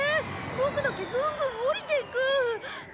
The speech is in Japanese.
ボクだけぐんぐん下りていく。